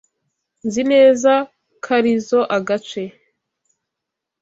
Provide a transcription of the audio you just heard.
Nzi neza karizoa gace.